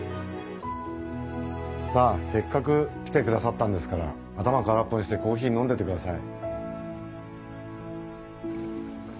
さあせっかく来てくださったんですから頭空っぽにしてコーヒー飲んでってください。